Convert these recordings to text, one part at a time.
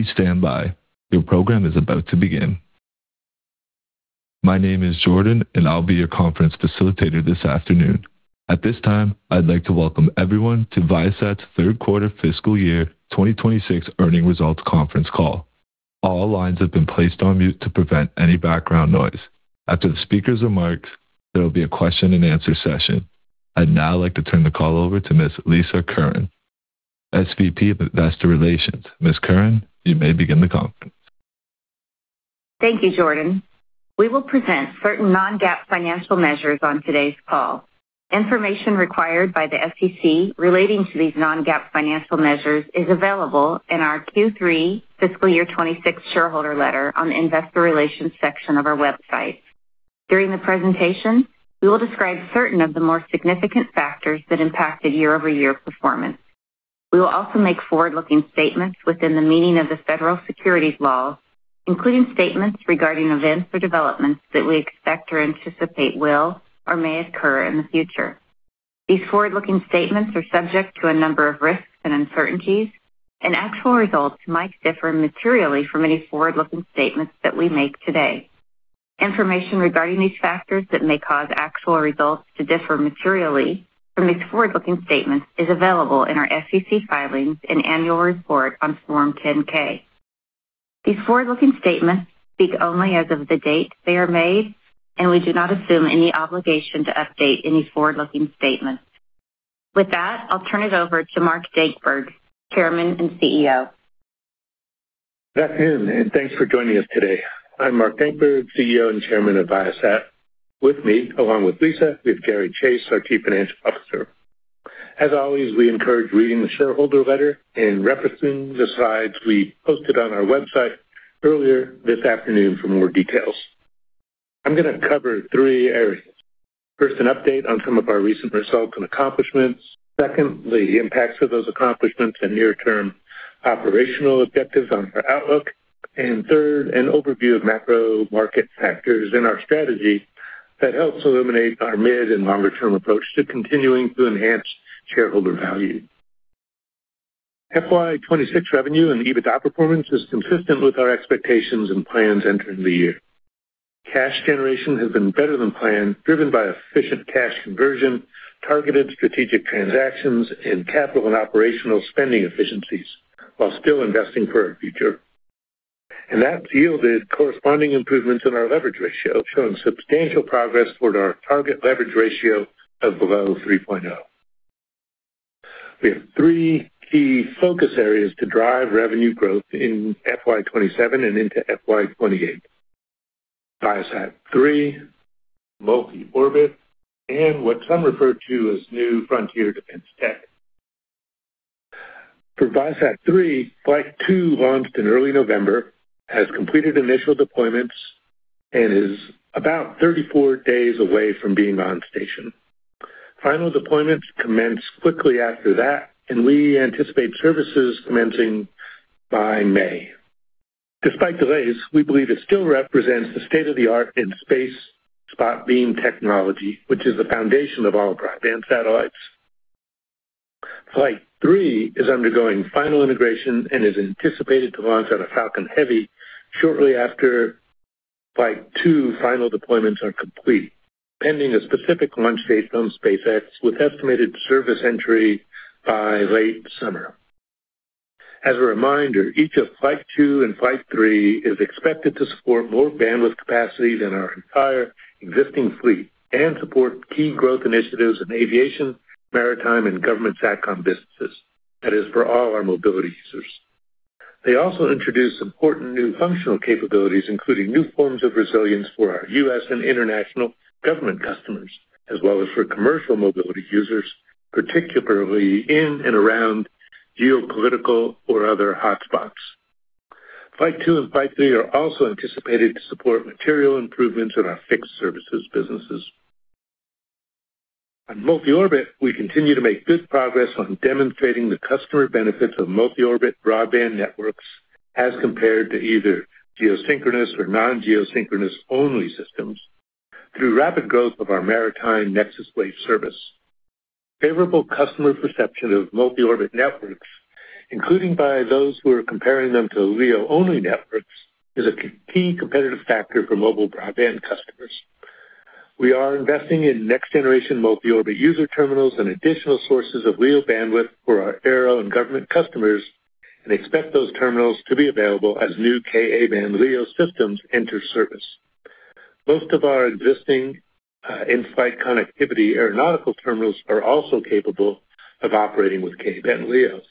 Please stand by. Your program is about to begin. My name is Jordan, and I'll be your conference facilitator this afternoon. At this time, I'd like to welcome everyone to Viasat's third quarter fiscal year 2026 earnings results conference call. All lines have been placed on mute to prevent any background noise. After the speakers' remarks, there will be a question-and-answer session. I'd now like to turn the call over to Ms. Lisa Curran, SVP of Investor Relations. Ms. Curran, you may begin the conference. Thank you, Jordan. We will present certain non-GAAP financial measures on today's call. Information required by the SEC relating to these non-GAAP financial measures is available in our Q3 fiscal year 2026 shareholder letter on the investor relations section of our website. During the presentation, we will describe certain of the more significant factors that impacted year-over-year performance. We will also make forward-looking statements within the meaning of the federal securities laws, including statements regarding events or developments that we expect or anticipate will or may occur in the future. These forward-looking statements are subject to a number of risks and uncertainties, and actual results might differ materially from any forward-looking statements that we make today. Information regarding these factors that may cause actual results to differ materially from these forward-looking statements is available in our SEC filings and annual report on Form 10-K. These forward-looking statements speak only as of the date they are made, and we do not assume any obligation to update any forward-looking statements. With that, I'll turn it over to Mark Dankberg, Chairman and CEO. Good afternoon, and thanks for joining us today. I'm Mark Dankberg, CEO and chairman of Viasat. With me, along with Lisa, we have Gary Chase, our Chief Financial Officer. As always, we encourage reading the shareholder letter and referencing the slides we posted on our website earlier this afternoon for more details. I'm going to cover three areas. First, an update on some of our recent results and accomplishments. Second, the impacts of those accomplishments and near-term operational objectives on our outlook. And third, an overview of macro market factors and our strategy that helps illuminate our mid and longer-term approach to continuing to enhance shareholder value. FY 2026 revenue and EBITDA performance is consistent with our expectations and plans entering the year. Cash generation has been better than planned, driven by efficient cash conversion, targeted strategic transactions, and capital and operational spending efficiencies, while still investing for our future. That's yielded corresponding improvements in our leverage ratio, showing substantial progress toward our target leverage ratio of below 3.0. We have three key focus areas to drive revenue growth in FY 2027 and into FY 2028. ViaSat-3, multi-orbit, and what some refer to as new frontier defense tech. For ViaSat-3, Flight 2 launched in early November, has completed initial deployments, and is about 34 days away from being on station. Final deployments commence quickly after that, and we anticipate services commencing by May. Despite delays, we believe it still represents the state of the art in space spot beam technology, which is the foundation of all broadband satellites. Flight 3 is undergoing final integration and is anticipated to launch on a Falcon Heavy shortly after Flight 2 final deployments are complete, pending a specific launch date from SpaceX, with estimated service entry by late summer. As a reminder, each of Flight 2 and Flight 3 is expected to support more bandwidth capacity than our entire existing fleet and support key growth initiatives in aviation, maritime, and government SATCOM businesses. That is for all our mobility users. They also introduce important new functional capabilities, including new forms of resilience for our U.S. and international government customers, as well as for commercial mobility users, particularly in and around geopolitical or other hotspots. Flight 2 and Flight 3 are also anticipated to support material improvements in our fixed services businesses. On multi-orbit, we continue to make good progress on demonstrating the customer benefits of multi-orbit broadband networks as compared to either geosynchronous or non-geosynchronous-only systems through rapid growth of our Maritime NexusWave Service. Favorable customer perception of multi-orbit networks, including by those who are comparing them to LEO-only networks, is a key competitive factor for mobile broadband customers. We are investing in next-generation mobile user terminals and additional sources of LEO bandwidth for our aero and government customers and expect those terminals to be available as new Ka-band LEO systems enter service. Most of our existing in-flight connectivity aeronautical terminals are also capable of operating with Ka-band LEOs.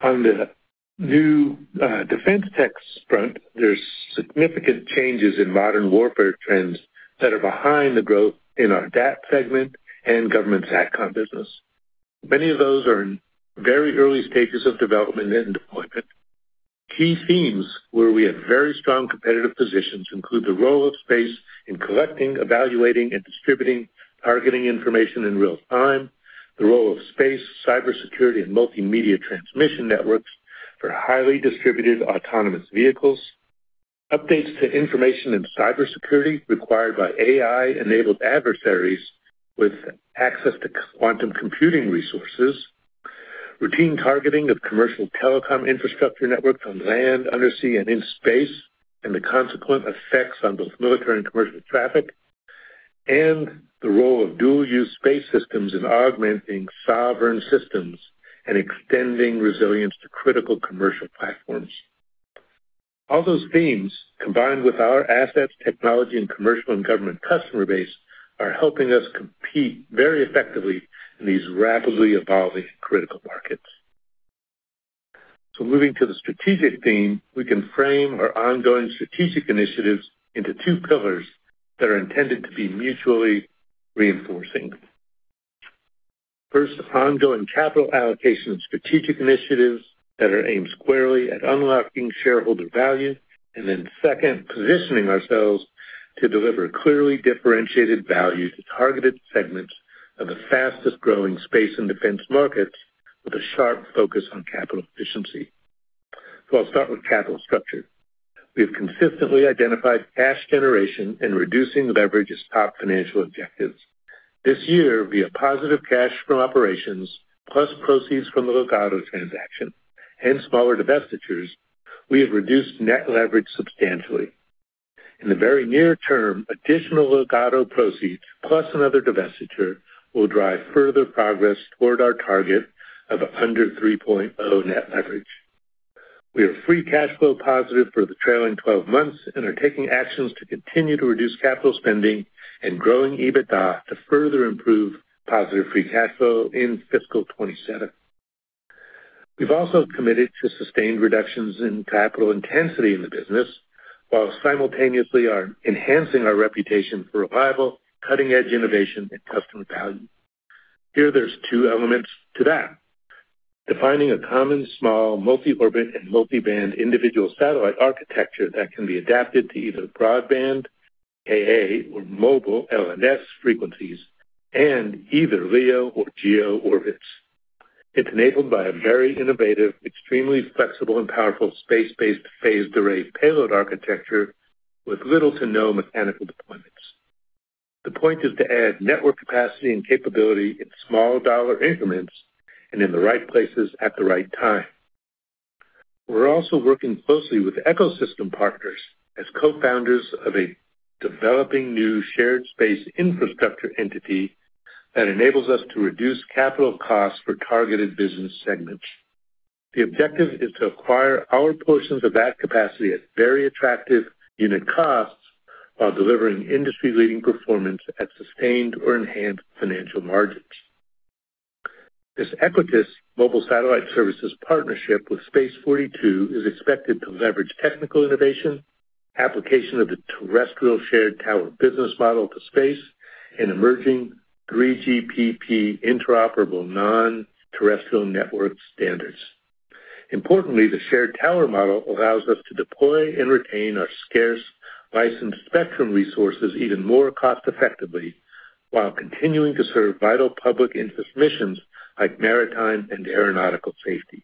On the new, defense tech front, there's significant changes in modern warfare trends that are behind the growth in our DAT segment and government SATCOM business. Many of those are in very early stages of development and deployment. Key themes where we have very strong competitive positions include the role of space in collecting, evaluating, and distributing targeting information in real time, the role of space, cybersecurity, and multimedia transmission networks for highly distributed autonomous vehicles. Updates to information and cybersecurity required by AI-enabled adversaries with access to quantum computing resources, routine targeting of commercial telecom infrastructure networks on land, undersea, and in space, and the consequent effects on both military and commercial traffic, and the role of dual-use space systems in augmenting sovereign systems and extending resilience to critical commercial platforms. All those themes, combined with our assets, technology, and commercial and government customer base, are helping us compete very effectively in these rapidly evolving critical markets. Moving to the strategic theme, we can frame our ongoing strategic initiatives into two pillars that are intended to be mutually reinforcing. First, ongoing capital allocation and strategic initiatives that are aimed squarely at unlocking shareholder value, and then second, positioning ourselves to deliver clearly differentiated value to targeted segments of the fastest-growing space and defense markets with a sharp focus on capital efficiency. So I'll start with capital structure. We've consistently identified cash generation and reducing leverage as top financial objectives. This year, via positive cash from operations, plus proceeds from the Ligado transaction and smaller divestitures, we have reduced net leverage substantially. In the very near term, additional Ligado proceeds, plus another divestiture, will drive further progress toward our target of under 3.0 net leverage. We are free cash flow positive for the trailing 12 months and are taking actions to continue to reduce capital spending and growing EBITDA to further improve positive free cash flow in fiscal 2027. We've also committed to sustained reductions in capital intensity in the business, while simultaneously are enhancing our reputation for reliable, cutting-edge innovation and customer value. Here, there's two elements to that. Defining a common, small, multi-orbit, and multi-band individual satellite architecture that can be adapted to either broadband, Ka, or mobile, LNS frequencies, and either LEO or GEO orbits. It's enabled by a very innovative, extremely flexible and powerful space-based phased array payload architecture with little to no mechanical deployments. The point is to add network capacity and capability in small dollar increments and in the right places at the right time. We're also working closely with ecosystem partners as cofounders of a developing new shared space infrastructure entity that enables us to reduce capital costs for targeted business segments. The objective is to acquire our portions of that capacity at very attractive unit costs while delivering industry-leading performance at sustained or enhanced financial margins. This Equatys Mobile Satellite Services partnership with Space42 is expected to leverage technical innovation, application of the terrestrial shared tower business model to space, and emerging 3GPP interoperable non-terrestrial network standards. Importantly, the shared tower model allows us to deploy and retain our scarce licensed spectrum resources even more cost effectively, while continuing to serve vital public interest missions like maritime and aeronautical safety.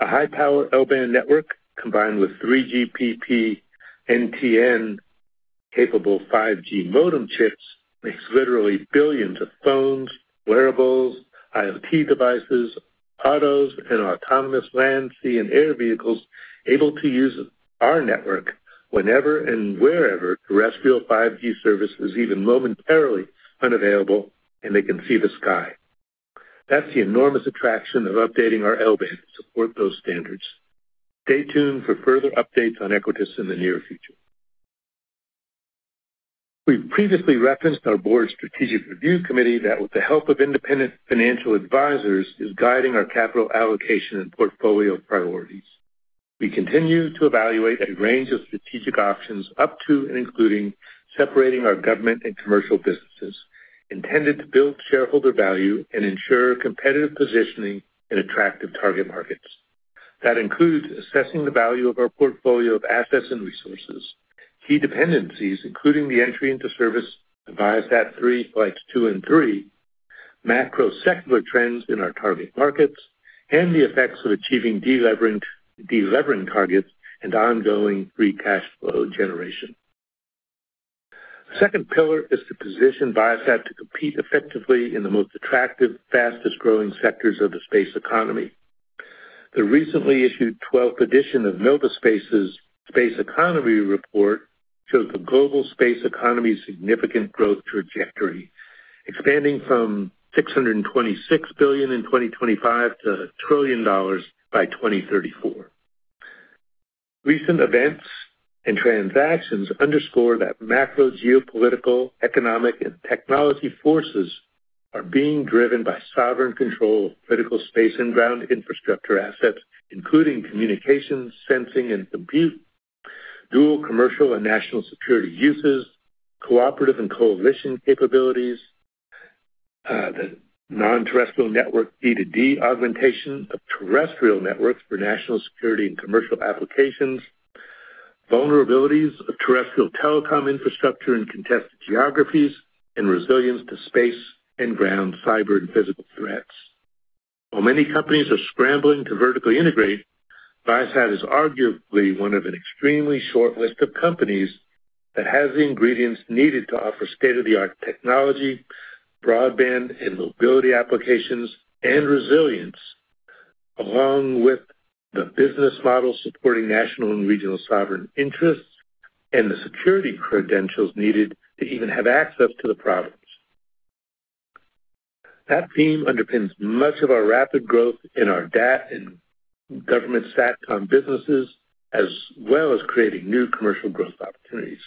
A high-power L-band network, combined with 3GPP NTN-capable 5G modem chips, makes literally billions of phones, wearables, IoT devices, autos, and autonomous land, sea, and air vehicles able to use our network whenever and wherever terrestrial 5G service is even momentarily unavailable and they can see the sky. That's the enormous attraction of updating our L-band to support those standards. Stay tuned for further updates on Equatys in the near future. We've previously referenced our board's strategic review committee that, with the help of independent financial advisors, is guiding our capital allocation and portfolio priorities. We continue to evaluate a range of strategic options, up to and including separating our government and commercial businesses, intended to build shareholder value and ensure competitive positioning in attractive target markets. That includes assessing the value of our portfolio of assets and resources, key dependencies, including the entry into service of ViaSat-3 Flight 2 and Flight 3, macro secular trends in our target markets, and the effects of achieving deleveraging targets and ongoing free cash flow generation. The second pillar is to position ViaSat to compete effectively in the most attractive, fastest-growing sectors of the space economy. The recently issued twelfth edition of Novaspace's Space Economy Report shows the global space economy's significant growth trajectory, expanding from $626 billion in 2025 to $1 trillion by 2034. Recent events and transactions underscore that macro geopolitical, economic, and technology forces are being driven by sovereign control of critical space and ground infrastructure assets, including communication, sensing, and compute, dual commercial and national security uses, cooperative and coalition capabilities, the non-terrestrial network D2D augmentation of terrestrial networks for national security and commercial applications, vulnerabilities of terrestrial telecom infrastructure in contested geographies, and resilience to space and ground cyber and physical threats. While many companies are scrambling to vertically integrate, Viasat is arguably one of an extremely short list of companies that has the ingredients needed to offer state-of-the-art technology, broadband and mobility applications, and resilience, along with the business model supporting national and regional sovereign interests and the security credentials needed to even have access to the province. That theme underpins much of our rapid growth in our DAT and government SATCOM businesses, as well as creating new commercial growth opportunities.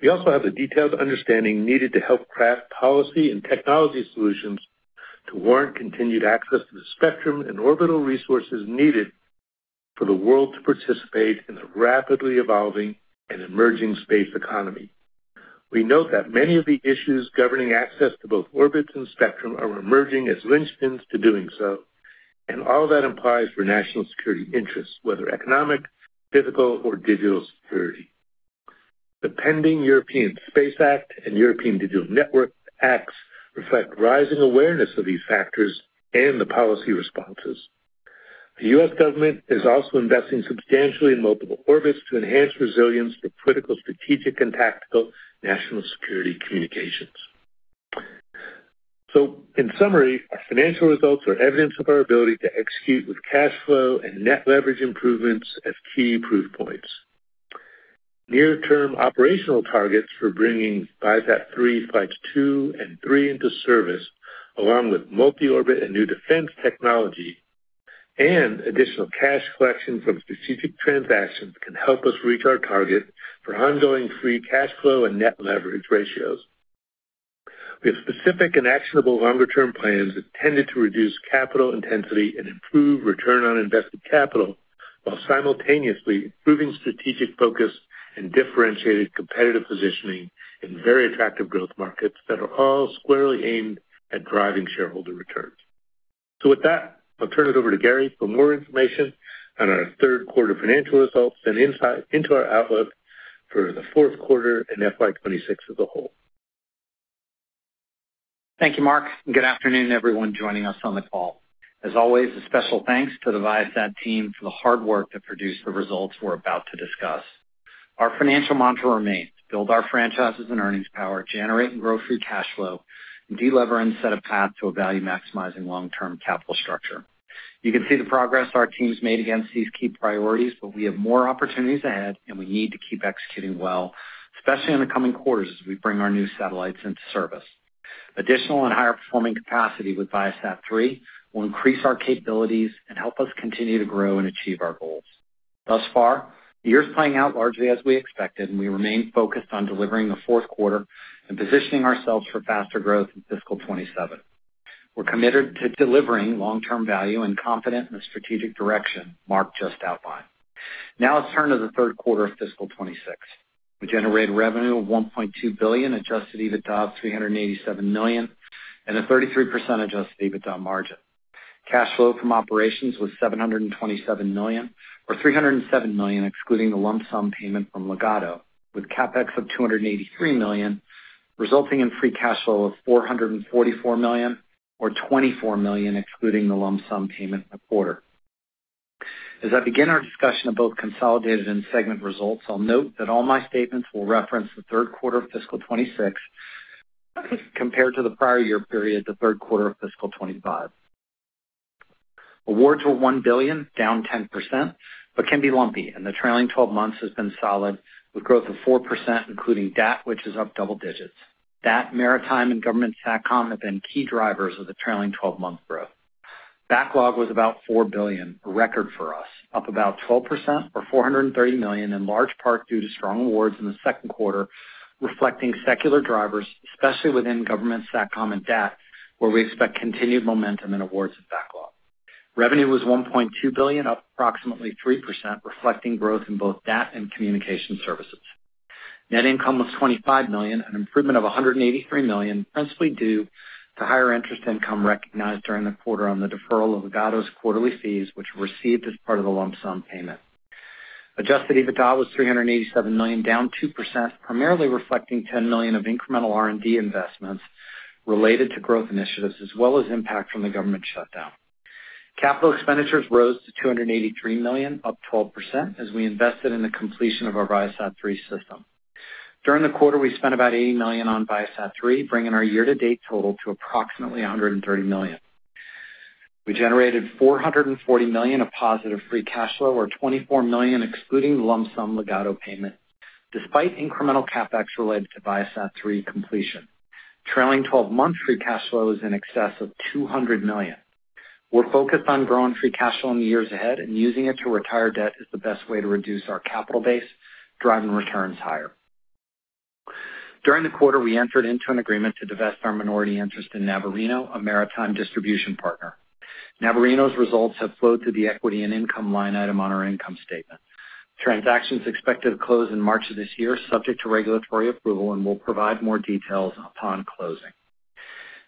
We also have the detailed understanding needed to help craft policy and technology solutions to warrant continued access to the spectrum and orbital resources needed for the world to participate in the rapidly evolving and emerging space economy. We note that many of the issues governing access to both orbits and spectrum are emerging as linchpins to doing so, and all that implies for national security interests, whether economic, physical, or digital security. The pending European Space Act and European Digital Networks Acts reflect rising awareness of these factors and the policy responses. The U.S. government is also investing substantially in multiple orbits to enhance resilience for critical, strategic, and tactical national security communications. So in summary, our financial results are evidence of our ability to execute with cash flow and net leverage improvements as key proof points. Near-term operational targets for bringing ViaSat-3 Flights 2 and 3 into service, along with multi-orbit and new defense technology and additional cash collection from strategic transactions, can help us reach our target for ongoing free cash flow and net leverage ratios. We have specific and actionable longer-term plans intended to reduce capital intensity and improve return on invested capital, while simultaneously improving strategic focus and differentiated competitive positioning in very attractive growth markets that are all squarely aimed at driving shareholder returns. With that, I'll turn it over to Gary for more information on our third quarter financial results and insight into our outlook for the fourth quarter and FY 2026 as a whole. Thank you, Mark, and good afternoon, everyone joining us on the call. As always, a special thanks to the Viasat team for the hard work that produced the results we're about to discuss. Our financial mantra remains: build our franchises and earnings power, generate and grow free cash flow, and de-lever and set a path to a value-maximizing long-term capital structure. You can see the progress our team's made against these key priorities, but we have more opportunities ahead, and we need to keep executing well, especially in the coming quarters as we bring our new satellites into service. Additional and higher-performing capacity with ViaSat-3 will increase our capabilities and help us continue to grow and achieve our goals. Thus far, the year is playing out largely as we expected, and we remain focused on delivering the fourth quarter and positioning ourselves for faster growth in fiscal 2027. We're committed to delivering long-term value and confident in the strategic direction Mark just outlined. Now let's turn to the third quarter of fiscal 2026. We generated revenue of $1.2 billion, Adjusted EBITDA of $387 million, and a 33% Adjusted EBITDA margin. Cash flow from operations was $727 million, or $307 million, excluding the lump sum payment from Ligado, with CapEx of $283 million, resulting in free cash flow of $444 million, or $24 million, excluding the lump sum payment in the quarter. As I begin our discussion of both consolidated and segment results, I'll note that all my statements will reference the third quarter of fiscal 2026 compared to the prior year period, the third quarter of fiscal 2025. Awards were $1 billion, down 10%, but can be lumpy, and the trailing 12 months has been solid, with growth of 4%, including DAT, which is up double digits. DAT, Maritime, and Government SATCOM have been key drivers of the trailing 12-month growth. Backlog was about $4 billion, a record for us, up about 12% or $430 million, in large part due to strong awards in the second quarter, reflecting secular drivers, especially within government SATCOM and DAT, where we expect continued momentum in awards and backlog. Revenue was $1.2 billion, up approximately 3%, reflecting growth in both DAT and communication services. Net income was $25 million, an improvement of $183 million, principally due to higher interest income recognized during the quarter on the deferral of Ligado's quarterly fees, which were received as part of the lump sum payment. Adjusted EBITDA was $387 million, down 2%, primarily reflecting $10 million of incremental R&D investments related to growth initiatives, as well as impact from the government shutdown. Capital expenditures rose to $283 million, up 12%, as we invested in the completion of our ViaSat-3 system. During the quarter, we spent about $80 million on ViaSat-3, bringing our year-to-date total to approximately $130 million. We generated $440 million of positive free cash flow, or $24 million excluding the lump sum Ligado payment, despite incremental CapEx related to ViaSat-3 completion. Trailing 12-month free cash flow is in excess of $200 million. We're focused on growing free cash flow in the years ahead, and using it to retire debt is the best way to reduce our capital base, driving returns higher. During the quarter, we entered into an agreement to divest our minority interest in Navarino, a maritime distribution partner. Navarino's results have flowed to the equity and income line item on our income statement. Transactions expected to close in March of this year, subject to regulatory approval, and we'll provide more details upon closing.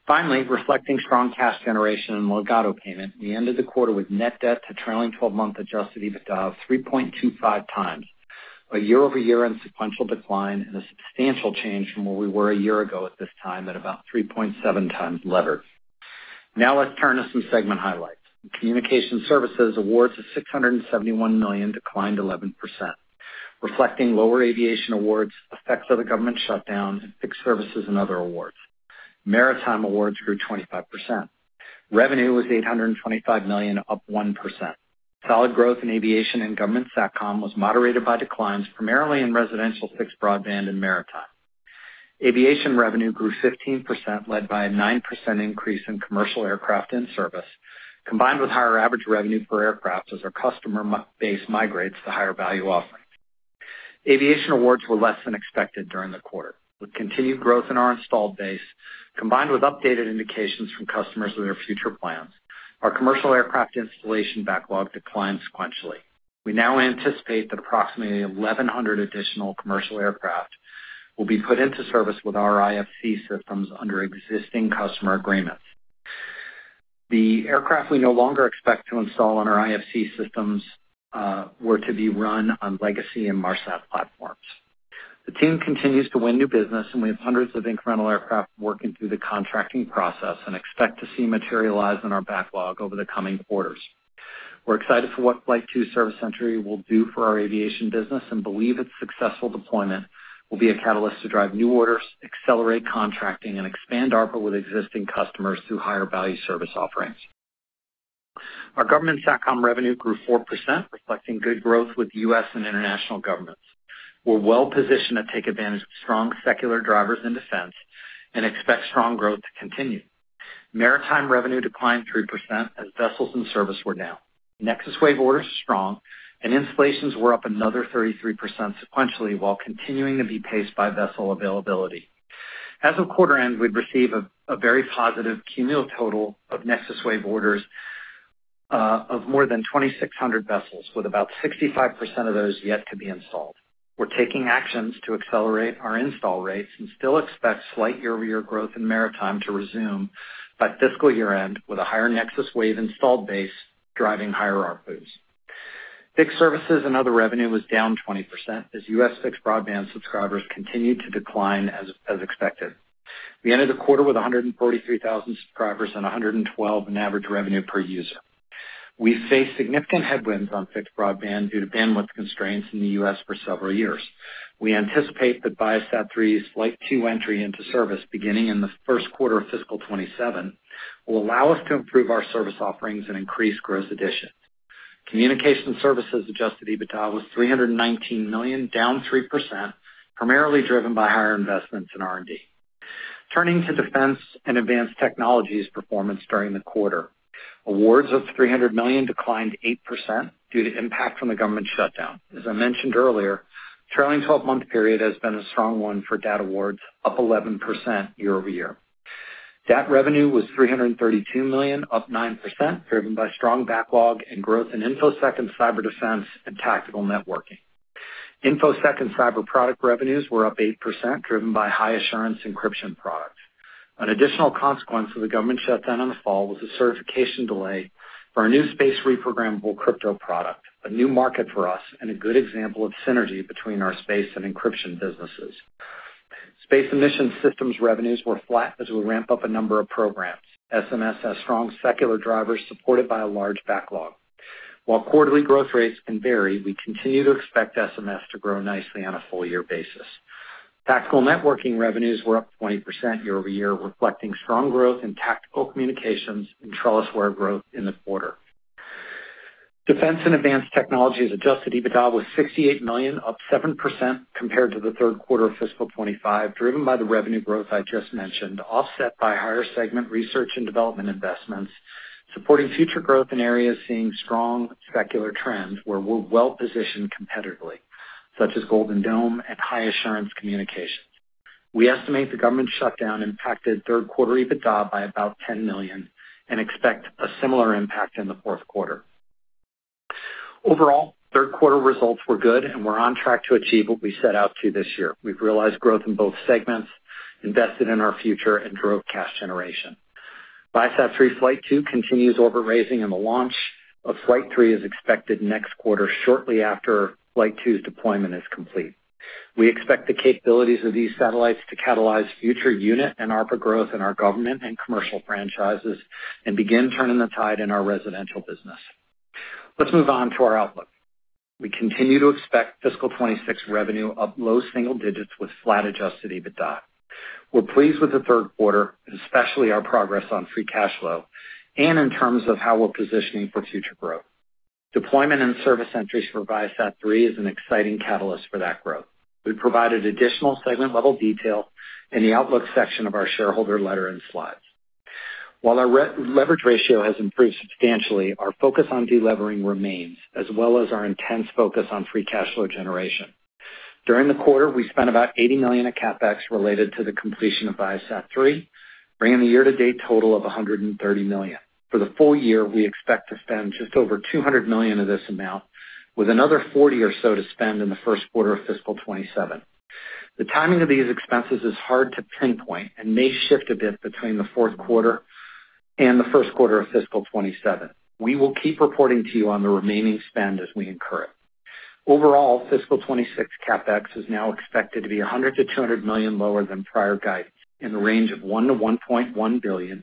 Finally, reflecting strong cash generation and Ligado payment, we ended the quarter with net debt to trailing 12-month Adjusted EBITDA of 3.25 times, a year-over-year and sequential decline, and a substantial change from where we were a year ago at this time, at about 3.7 times levered. Now let's turn to some segment highlights. Communication services awards of $671 million declined 11%, reflecting lower aviation awards, effects of the government shutdown, and fixed services and other awards. Maritime awards grew 25%. Revenue was $825 million, up 1%. Solid growth in aviation and government SATCOM was moderated by declines, primarily in residential fixed broadband and Maritime. Aviation revenue grew 15%, led by a 9% increase in commercial aircraft in service, combined with higher average revenue per aircraft as our customer base migrates to higher value offerings. Aviation awards were less than expected during the quarter. With continued growth in our installed base, combined with updated indications from customers of their future plans, our commercial aircraft installation backlog declined sequentially. We now anticipate that approximately 1,100 additional commercial aircraft will be put into service with our IFC systems under existing customer agreements. The aircraft we no longer expect to install on our IFC systems were to be run on legacy and Inmarsat platforms. The team continues to win new business, and we have hundreds of incremental aircraft working through the contracting process and expect to see materialize in our backlog over the coming quarters. We're excited for what Flight 2 service entry will do for our aviation business and believe its successful deployment will be a catalyst to drive new orders, accelerate contracting, and expand ARPA with existing customers through higher value service offerings. Our government SATCOM revenue grew 4%, reflecting good growth with U.S. and international governments. We're well positioned to take advantage of strong secular drivers in defense and expect strong growth to continue. Maritime revenue declined 3% as vessels in service were down. NexusWave orders are strong, and installations were up another 33% sequentially, while continuing to be paced by vessel availability. As of quarter end, we've received a very positive cumulative total of NexusWave orders of more than 2,600 vessels, with about 65% of those yet to be installed. We're taking actions to accelerate our install rates and still expect slight year-over-year growth in Maritime to resume by fiscal year-end, with a higher NexusWave installed base driving higher ARPUs. Fixed services and other revenue was down 20% as U.S. fixed broadband subscribers continued to decline as expected. We ended the quarter with 143,000 subscribers and $112 in average revenue per user. We face significant headwinds on fixed broadband due to bandwidth constraints in the U.S. for several years. We anticipate that ViaSat-3 Flight 2 entry into service, beginning in the first quarter of fiscal 2027, will allow us to improve our service offerings and increase gross additions. Communication services Adjusted EBITDA was $319 million, down 3%, primarily driven by higher investments in R&D. Turning to Defense and Advanced Technologies performance during the quarter. Awards of $300 million declined 8% due to impact from the government shutdown. As I mentioned earlier, trailing 12-month period has been a strong one for DAT awards, up 11% year-over-year. DAT revenue was $332 million, up 9%, driven by strong backlog and growth in InfoSec and cyber defense and tactical networking. InfoSec and cyber product revenues were up 8%, driven by high assurance encryption products. An additional consequence of the government shutdown in the fall was a certification delay for our new space reprogrammable crypto product, a new market for us, and a good example of synergy between our space and encryption businesses. Space and Mission Systems revenues were flat as we ramp up a number of programs. SMS has strong secular drivers, supported by a large backlog. While quarterly growth rates can vary, we continue to expect SMS to grow nicely on a full year basis. Tactical networking revenues were up 20% year-over-year, reflecting strong growth in tactical communications and TrellisWare growth in the quarter. Defense and Advanced Technologies Adjusted EBITDA was $68 million, up 7% compared to the third quarter of fiscal 2025, driven by the revenue growth I just mentioned, offset by higher segment research and development investments, supporting future growth in areas seeing strong secular trends where we're well positioned competitively, such as Golden Dome and high assurance communications. We estimate the government shutdown impacted third quarter EBITDA by about $10 million and expect a similar impact in the fourth quarter. Overall, third quarter results were good, and we're on track to achieve what we set out to this year. We've realized growth in both segments, invested in our future, and drove cash generation. ViaSat-3 Flight 2 continues orbit raising, and the launch of Flight 3 is expected next quarter, shortly after Flight 2's deployment is complete. We expect the capabilities of these satellites to catalyze future unit and ARPA growth in our government and commercial franchises and begin turning the tide in our residential business. Let's move on to our outlook. We continue to expect fiscal 2026 revenue up low single digits with flat Adjusted EBITDA. We're pleased with the third quarter, especially our progress on free cash flow and in terms of how we're positioning for future growth. Deployment and service entries for ViaSat-3 is an exciting catalyst for that growth. We provided additional segment-level detail in the outlook section of our shareholder letter and slides. While our net leverage ratio has improved substantially, our focus on delevering remains, as well as our intense focus on free cash flow generation. During the quarter, we spent about $80 million of CapEx related to the completion of ViaSat-3, bringing the year-to-date total of $130 million. For the full year, we expect to spend just over $200 million of this amount, with another $40 million or so to spend in the first quarter of fiscal 2027. The timing of these expenses is hard to pinpoint and may shift a bit between the fourth quarter and the first quarter of fiscal 2027. We will keep reporting to you on the remaining spend as we incur it. Overall, fiscal 2026 CapEx is now expected to be $100 million-$200 million lower than prior guidance in the range of $1 billion-$1.1 billion,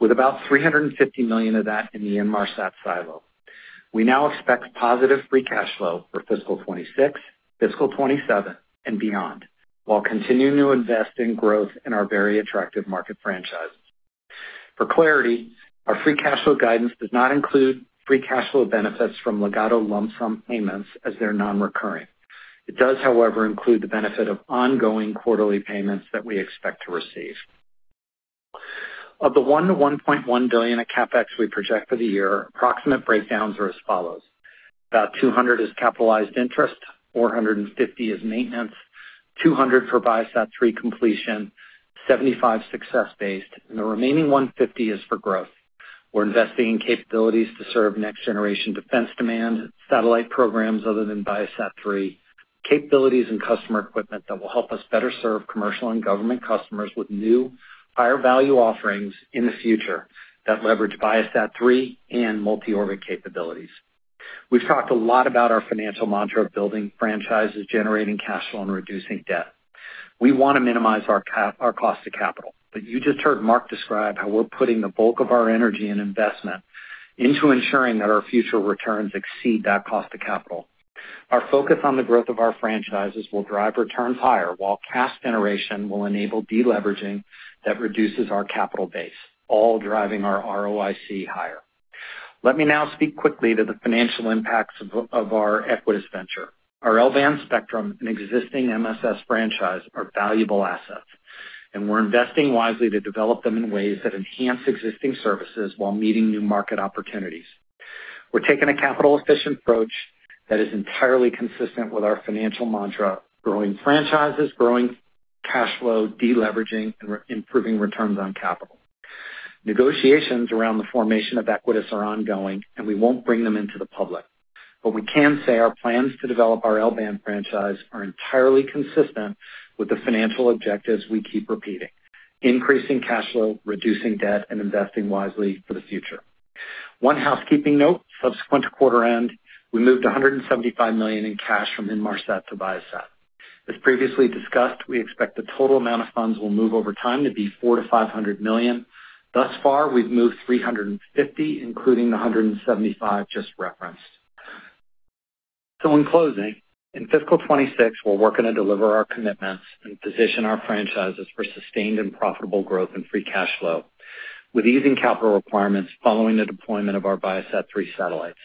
with about $350 million of that in the Inmarsat silo. We now expect positive free cash flow for fiscal 2026, fiscal 2027, and beyond, while continuing to invest in growth in our very attractive market franchise. For clarity, our free cash flow guidance does not include free cash flow benefits from Ligado lump sum payments as they're non-recurring. It does, however, include the benefit of ongoing quarterly payments that we expect to receive. Of the $1 billion-$1.1 billion of CapEx we project for the year, approximate breakdowns are as follows: About $200 million is capitalized interest, $450 million is maintenance, $200 million for ViaSat-3 completion, $75 million success-based, and the remaining $150 million is for growth. We're investing in capabilities to serve next-generation defense demand, satellite programs other than ViaSat-3, capabilities and customer equipment that will help us better serve commercial and government customers with new, higher-value offerings in the future that leverage ViaSat-3 and multi-orbit capabilities. We've talked a lot about our financial mantra of building franchises, generating cash flow, and reducing debt. We want to minimize our cost to capital, but you just heard Mark describe how we're putting the bulk of our energy and investment into ensuring that our future returns exceed that cost to capital. Our focus on the growth of our franchises will drive returns higher, while cash generation will enable deleveraging that reduces our capital base, all driving our ROIC higher. Let me now speak quickly to the financial impacts of our Equatys venture. Our L-band spectrum and existing MSS franchise are valuable assets, and we're investing wisely to develop them in ways that enhance existing services while meeting new market opportunities. We're taking a capital-efficient approach that is entirely consistent with our financial mantra, growing franchises, growing cash flow, deleveraging, and re-improving returns on capital. Negotiations around the formation of Equatys are ongoing, and we won't bring them into the public. But we can say our plans to develop our L-band franchise are entirely consistent with the financial objectives we keep repeating: increasing cash flow, reducing debt, and investing wisely for the future. One housekeeping note. Subsequent to quarter end, we moved $175 million in cash from Inmarsat to Viasat. As previously discussed, we expect the total amount of funds will move over time to be $400 million-$500 million. Thus far, we've moved 350, including the 175 just referenced. So in closing, in fiscal 2026, we're working to deliver our commitments and position our franchises for sustained and profitable growth and free cash flow. With easing capital requirements following the deployment of our ViaSat-3 satellites,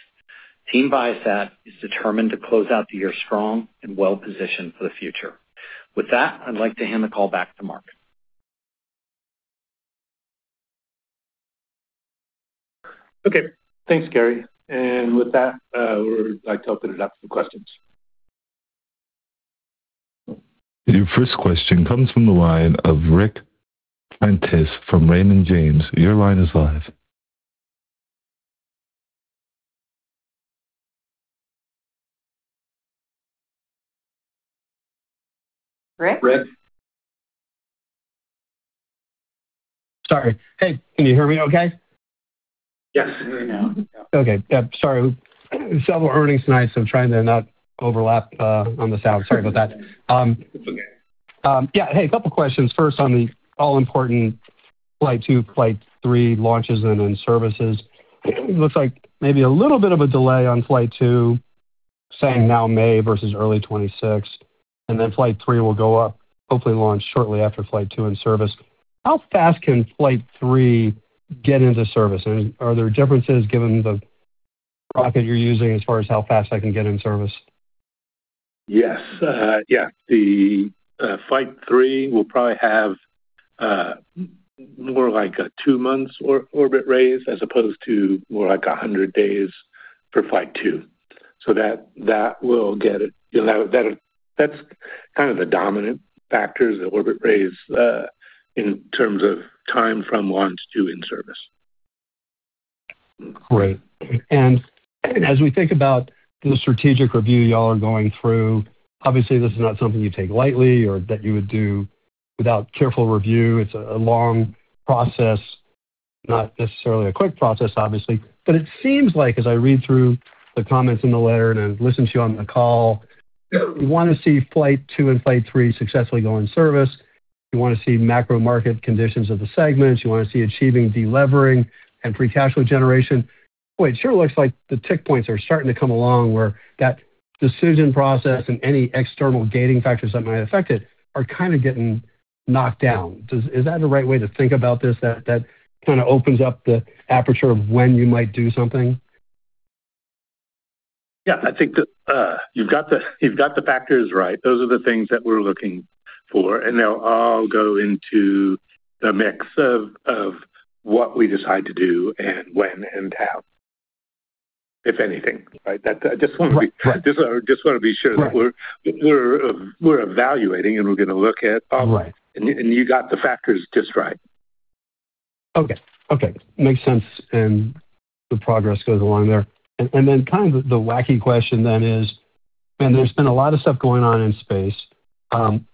Team ViaSat is determined to close out the year strong and well-positioned for the future. With that, I'd like to hand the call back to Mark. Okay. Thanks, Gary. And with that, we'd like to open it up for questions. Your first question comes from the line of Ric Prentiss from Raymond James. Your line is live. Rick? Sorry. Hey, can you hear me okay? Yes, I can hear you now. Okay. Yep, sorry. Several earnings nights, I'm trying to not overlap on the sound. Sorry about that. Yeah. Hey, a couple questions. First, on the all-important Flight 2, Flight 3 launches and then services. Looks like maybe a little bit of a delay on Flight 2, saying now May versus early 2026, and then Flight 3 will go up, hopefully launch shortly after Flight 2 in service. How fast can Flight 3 get into service? And are there differences given the rocket you're using as far as how fast that can get in service? Yes. Yeah. The Flight 3 will probably have more like a two-month orbit raise, as opposed to more like 100 days for Flight 2. So that will get it. That's kind of the dominant factors, the orbit raise, in terms of time from launch to in-service. Great. As we think about the strategic review y'all are going through, obviously, this is not something you take lightly or that you would do without careful review. It's a long process, not necessarily a quick process, obviously. But it seems like, as I read through the comments in the letter and I listen to you on the call, you want to see Flight 2 and Flight 3 successfully go in service. You want to see macro market conditions of the segments. You want to see achieving delevering and free cash flow generation. Well, it sure looks like the tick points are starting to come along, where that decision process and any external gating factors that might affect it are kind of getting knocked down. Does? Is that the right way to think about this, that kind of opens up the aperture of when you might do something? Yeah, I think that, you've got the, you've got the factors right. Those are the things that we're looking for, and they'll all go into the mix of, of what we decide to do and when and how, if anything, right? That, Right. Just wanna make sure. Just, just wanna be sure- Right that we're evaluating, and we're gonna look at all of it. Right. And you got the factors just right. Okay, okay, makes sense, and the progress goes along there. And then kind of the wacky question then is, and there's been a lot of stuff going on in space,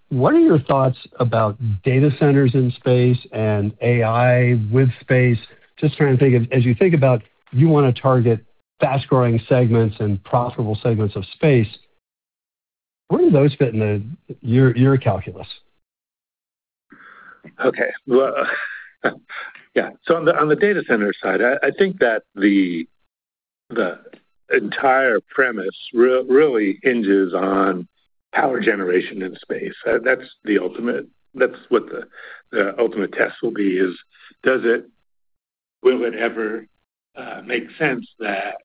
what are your thoughts about data centers in space and AI with space? Just trying to think of, as you think about, you wanna target fast-growing segments and profitable segments of space, where do those fit in your calculus? Okay. Well, yeah, so on the data center side, I think that the entire premise really hinges on power generation in space. That's the ultimate— That's what the ultimate test will be, is, does it, will it ever make sense that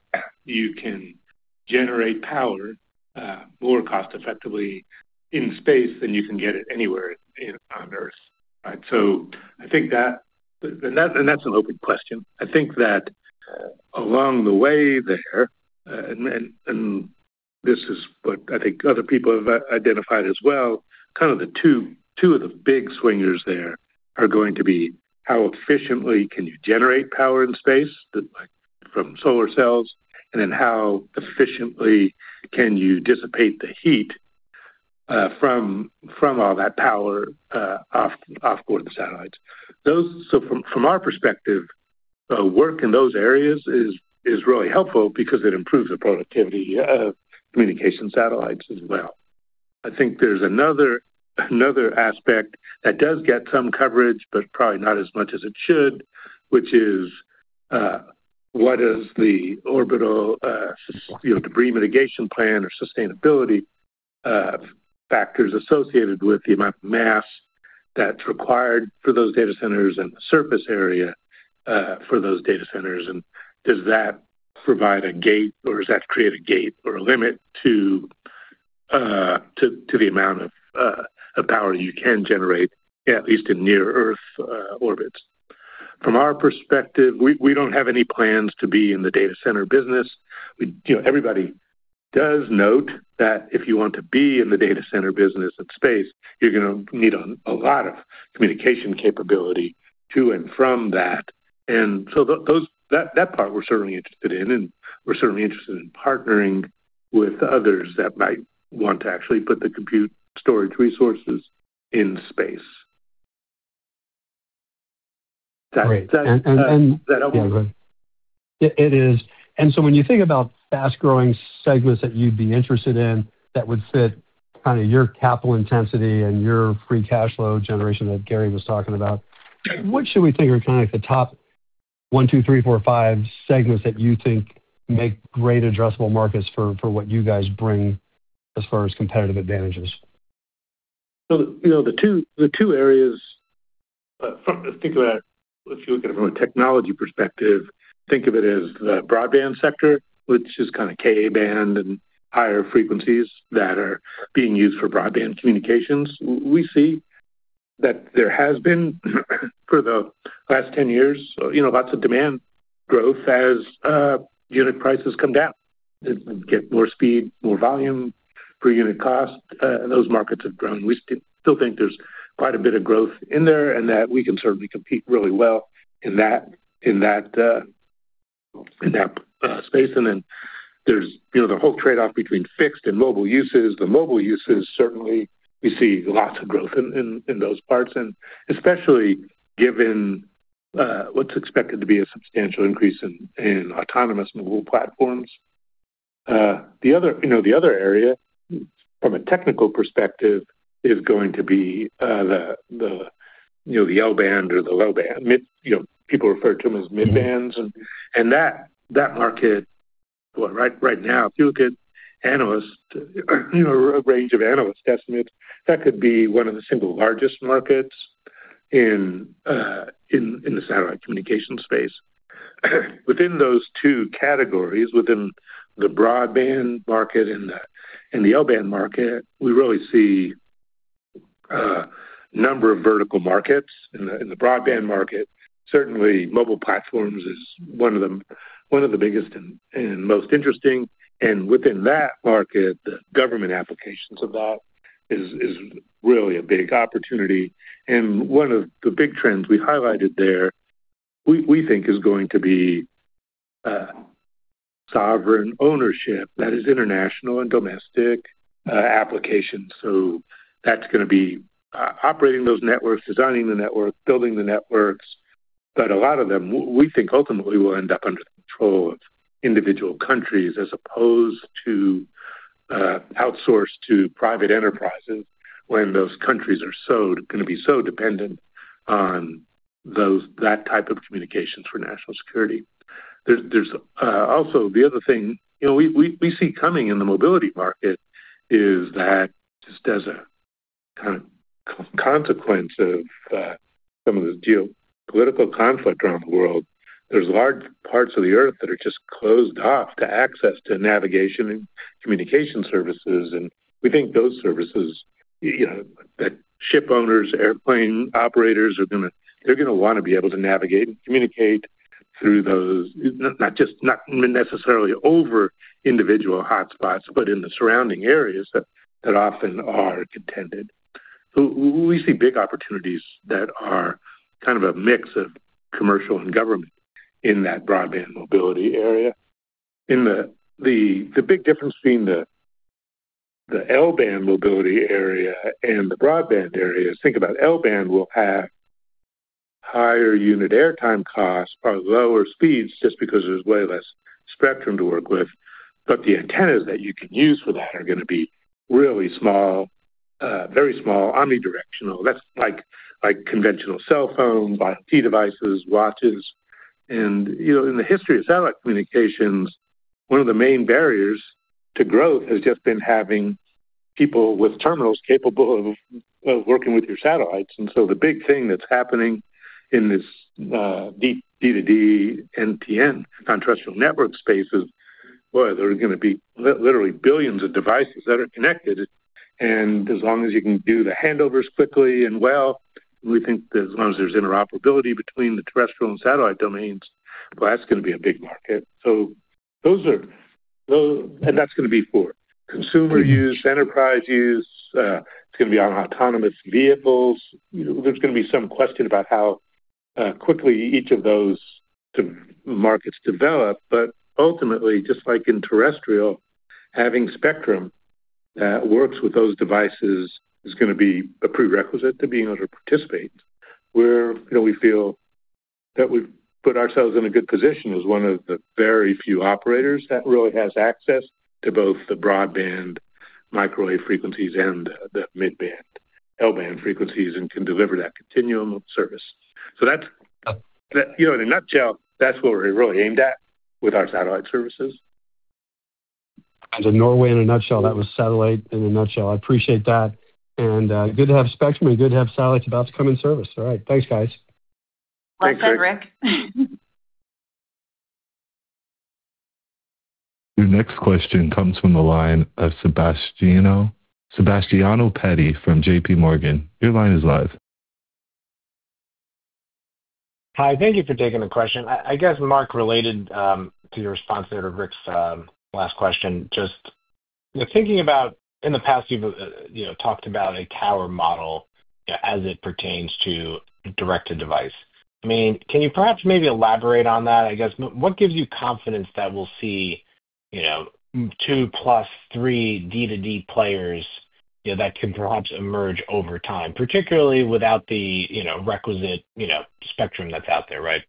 you can generate power more cost-effectively in space than you can get it anywhere on Earth, right? So I think that, and that's an open question. I think that along the way there, and this is what I think other people have identified as well, kind of the two of the big swingers there are going to be, how efficiently can you generate power in space, like from solar cells? And then how efficiently can you dissipate the heat from all that power offboard the satellites? So from our perspective, work in those areas is really helpful because it improves the productivity of communication satellites as well. I think there's another aspect that does get some coverage, but probably not as much as it should, which is, what is the orbital, you know, debris mitigation plan or sustainability, factors associated with the amount of mass that's required for those data centers and the surface area, for those data centers, and does that provide a gate, or does that create a gate or a limit to the amount of power you can generate, at least in near Earth orbits? From our perspective, we don't have any plans to be in the data center business. We, you know, everybody does note that if you want to be in the data center business in space, you're gonna need a lot of communication capability to and from that. And so, that part we're certainly interested in, and we're certainly interested in partnering with others that might want to actually put the compute storage resources in space. Great. Does that help? It is. And so when you think about fast-growing segments that you'd be interested in, that would fit kind of your capital intensity and your free cash flow generation that Gary was talking about, what should we think are kind of the top one, two, three, four, five segments that you think make great addressable markets for, for what you guys bring as far as competitive advantages? So, you know, the two areas. Think about if you look at it from a technology perspective, think of it as the broadband sector, which is kind of Ka-band and higher frequencies that are being used for broadband communications. We see that there has been, for the last 10 years, you know, lots of demand growth as unit prices come down, and get more speed, more volume, per unit cost, and those markets have grown. We still think there's quite a bit of growth in there, and that we can certainly compete really well in that space. And then there's, you know, the whole trade-off between fixed and mobile uses. The mobile uses, certainly, we see lots of growth in those parts, and especially given what's expected to be a substantial increase in autonomous mobile platforms. The other, you know, the other area, from a technical perspective, is going to be the, you know, the L-band or the low band. Mid, you know, people refer to them as mid bands. Mm-hmm. And that market, well, right now, if you look at analysts, you know, a range of analyst estimates, that could be one of the single largest markets in the satellite communication space. Within those two categories, within the broadband market and the L-band market, we really see a number of vertical markets. In the broadband market, certainly mobile platforms is one of the biggest and most interesting, and within that market, the government applications of that is really a big opportunity. And one of the big trends we highlighted there, we think is going to be sovereign ownership, that is international and domestic applications. So that's gonna be operating those networks, designing the networks, building the networks, but a lot of them, we think, ultimately, will end up under the control of individual countries as opposed to outsourced to private enterprises when those countries are so gonna be so dependent on those, that type of communications for national security. There's also the other thing, you know, we see coming in the mobility market is that just as a kind of consequence of some of the geopolitical conflict around the world. There's large parts of the Earth that are just closed off to access to navigation and communication services, and we think those services, you know, that ship owners, airplane operators are gonna, they're gonna wanna be able to navigate and communicate through those, not just, not necessarily over individual hotspots, but in the surrounding areas that often are contended. So we see big opportunities that are kind of a mix of commercial and government in that broadband mobility area. In the big difference between the L-band mobility area and the broadband area is think about L-band will have higher unit airtime costs or lower speeds just because there's way less spectrum to work with. But the antennas that you can use for that are gonna be really small, very small, omnidirectional. That's like conventional cell phones, IoT devices, watches. And, you know, in the history of satellite communications, one of the main barriers to growth has just been having people with terminals capable of working with your satellites. And so the big thing that's happening in this D2D NTN, Non-Terrestrial Network space is, boy, there are gonna be literally billions of devices that are connected, and as long as you can do the handovers quickly and well, we think that as long as there's interoperability between the terrestrial and satellite domains, well, that's gonna be a big market. So those are those. And that's gonna be for consumer use, enterprise use, it's gonna be on autonomous vehicles. There's gonna be some question about how quickly each of those markets develop, but ultimately, just like in terrestrial, having spectrum that works with those devices is gonna be a prerequisite to being able to participate. Where, you know, we feel that we've put ourselves in a good position as one of the very few operators that really has access to both the broadband microwave frequencies and the mid-band, L-band frequencies, and can deliver that continuum of service. So that's, that, you know, in a nutshell, that's what we're really aimed at with our satellite services. That's Norway in a nutshell. That was satellite in a nutshell. I appreciate that, and good to have spectrum and good to have satellites about to come in service. All right, thanks, guys. Well said, Rick. Your next question comes from the line of Sebastiano, Sebastiano Petti from J.P. Morgan. Your line is live. Hi, thank you for taking the question. I guess, Mark, related to your response there to Rick's last question, just thinking about in the past, you've you know, talked about a tower model as it pertains to direct-to-device. I mean, can you perhaps maybe elaborate on that? I guess, what gives you confidence that we'll see, you know, 2 + 3 D2D players, you know, that can perhaps emerge over time, particularly without the, you know, requisite, you know, spectrum that's out there, right?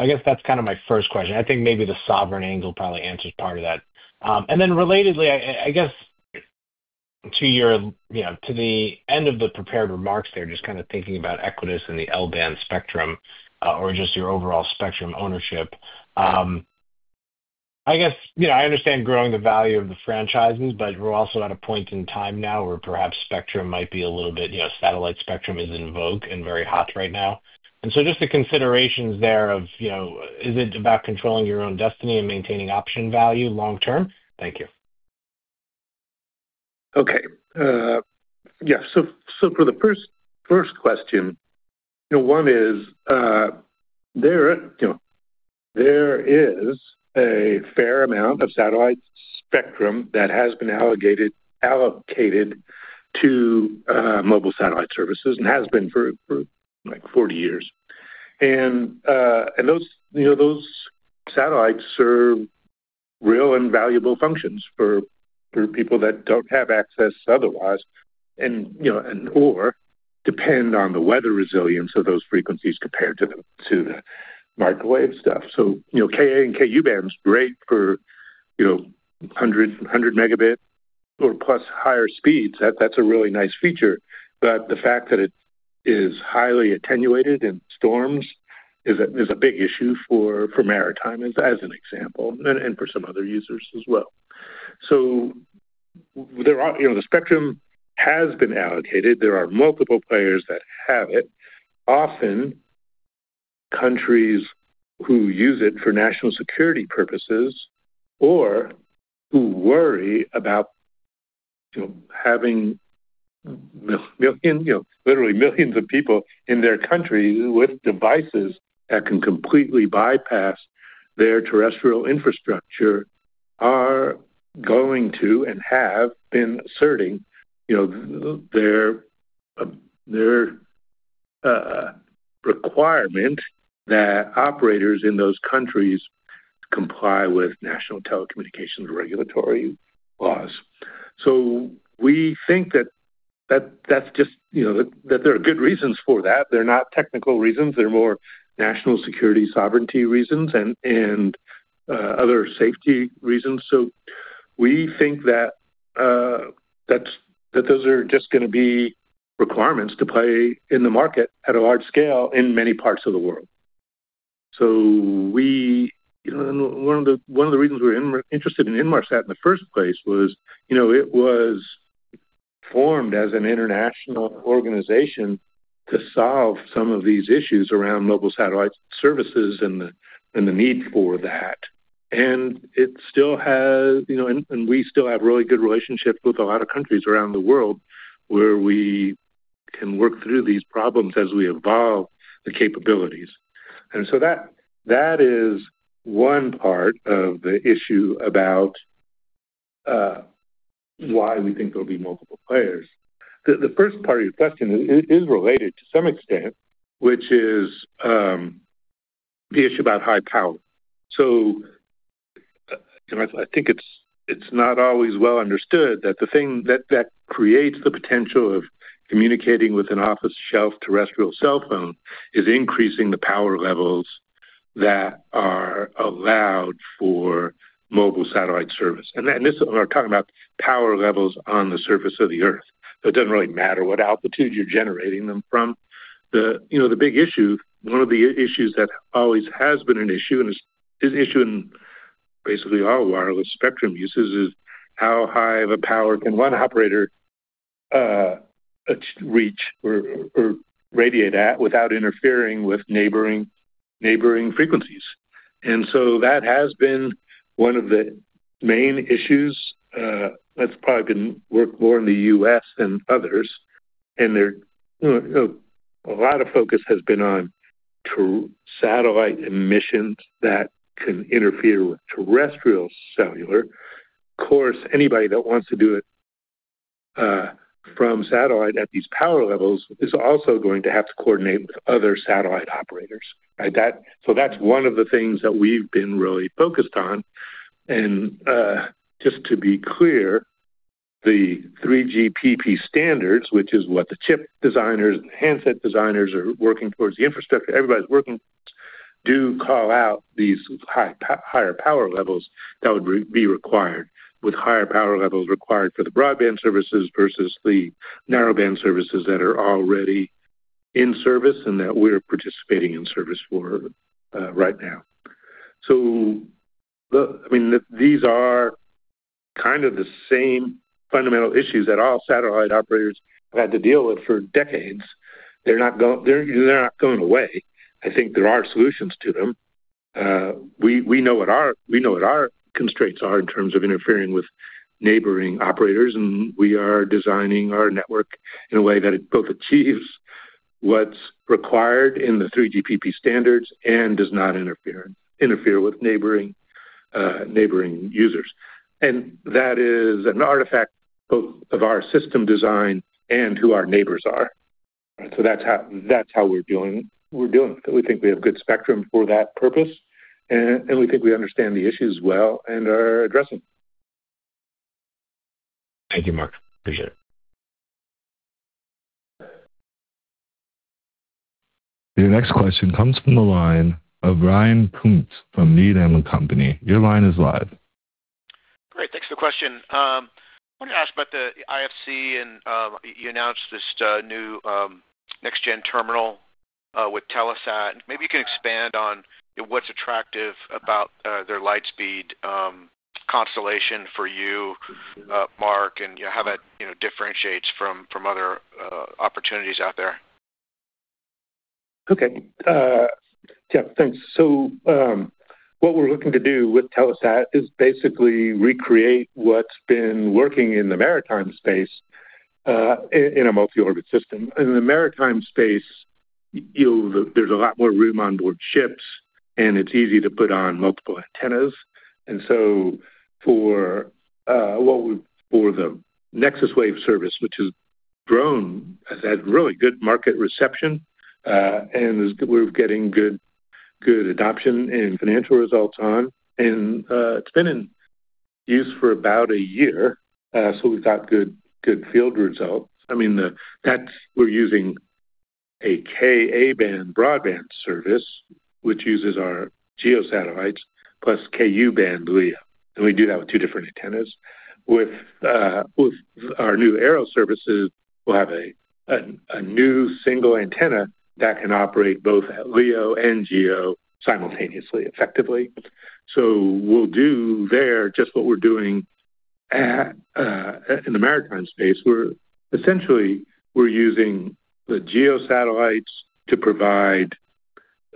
I guess that's kind of my first question. I think maybe the sovereign angle probably answers part of that. And then relatedly, I guess to your, you know, to the end of the prepared remarks there, just kind of thinking about Equatys and the L-band spectrum, or just your overall spectrum ownership. I guess, you know, I understand growing the value of the franchises, but we're also at a point in time now where perhaps spectrum might be a little bit, you know, satellite spectrum is in vogue and very hot right now. And so just the considerations there of, you know, is it about controlling your own destiny and maintaining option value long term? Thank you. Okay, yeah. So, for the first question, you know, one is, there, you know, there is a fair amount of satellite spectrum that has been allocated to mobile satellite services and has been for, like, 40 years. And, and those, you know, those satellites serve real and valuable functions for people that don't have access otherwise, and, you know, and or depend on the weather resilience of those frequencies compared to the microwave stuff. So, you know, Ka and Ku band is great for, you know, 100 Mb or plus higher speeds. That's a really nice feature, but the fact that it is highly attenuated in storms is a big issue for maritime as an example, and for some other users as well. So there are, you know, the spectrum has been allocated. There are multiple players that have it. Often, countries who use it for national security purposes or who worry about, you know, having million, you know, literally millions of people in their country with devices that can completely bypass their terrestrial infrastructure, are going to and have been asserting, you know, their requirement that operators in those countries comply with national telecommunications regulatory laws. So we think that, that's just, you know, that there are good reasons for that. They're not technical reasons. They're more national security, sovereignty reasons and other safety reasons. So we think that, that's, that those are just gonna be requirements to play in the market at a large scale in many parts of the world. So we, you know, and one of the reasons we're interested in Inmarsat in the first place was, you know, it was formed as an international organization to solve some of these issues around mobile satellite services and the need for that. And it still has, you know, and we still have really good relationships with a lot of countries around the world where we can work through these problems as we evolve the capabilities. And so that is one part of the issue about why we think there'll be multiple players. The first part of your question is related to some extent, which is the issue about high power. So, I think it's not always well understood that the thing that creates the potential of communicating with an off-the-shelf terrestrial cell phone is increasing the power levels that are allowed for mobile satellite service. And then, we're talking about power levels on the surface of the Earth. So it doesn't really matter what altitude you're generating them from. You know, the big issue, one of the issues that always has been an issue and is an issue in basically all wireless spectrum uses, is how high of a power can one operator reach or radiate at without interfering with neighboring frequencies? And so that has been one of the main issues that's probably been worked more in the U.S. than others. And there, you know, a lot of focus has been on to satellite emissions that can interfere with terrestrial cellular. Of course, anybody that wants to do it from satellite at these power levels is also going to have to coordinate with other satellite operators. Right, that's one of the things that we've been really focused on. And, just to be clear, the 3GPP standards, which is what the chip designers and handset designers are working towards, the infrastructure everybody's working, do call out these higher power levels that would be required, with higher power levels required for the broadband services versus the narrowband services that are already in service and that we're participating in service for right now. So the, I mean, these are kind of the same fundamental issues that all satellite operators have had to deal with for decades. They're not going away. I think there are solutions to them. We know what our constraints are in terms of interfering with neighboring operators, and we are designing our network in a way that it both achieves what's required in the 3GPP standards and does not interfere with neighboring users. And that is an artifact both of our system design and who our neighbors are. So that's how we're doing it. We think we have good spectrum for that purpose, and we think we understand the issues well and are addressing them. Thank you, Mark. Appreciate it. The next question comes from the line of Ryan Koontz from Needham & Company. Your line is live. Great, thanks for the question. I want to ask about the IFC and, you announced this new next-gen terminal with Telesat. Maybe you can expand on what's attractive about their Lightspeed constellation for you, Mark, and, you know, how that, you know, differentiates from other opportunities out there. Okay. Yeah, thanks. So, what we're looking to do with Telesat is basically recreate what's been working in the maritime space, in a multi-orbit system. In the maritime space, you know, there's a lot more room onboard ships, and it's easy to put on multiple antennas. So for the NexusWave service, which has grown, has had really good market reception, and we're getting good, good adoption and financial results on. And it's been in use for about a year, so we've got good, good field results. I mean, that's what we're using a Ka-band broadband service, which uses our GEO satellites, plus Ku-band LEO. And we do that with two different antennas. With our new aero services, we'll have a new single antenna that can operate both at LEO and GEO simultaneously, effectively. So we'll do there, just what we're doing at in the maritime space, where essentially, we're using the GEO satellites to provide